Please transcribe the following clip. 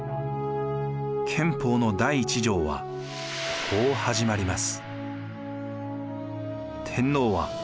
憲法の第１条はこう始まります。